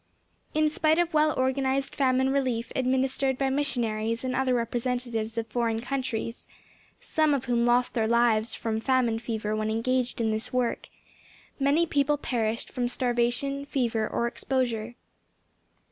In spite of well organized famine relief administered by missionaries and other representatives of foreign countries (some of whom lost their lives from famine fever when engaged in this work), many people perished from starvation, fever or exposure.